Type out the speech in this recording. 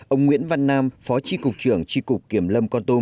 ông nguyễn văn nam phó tri cục trưởng tri cục kiểm lâm con tum